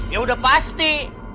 ya udah pasti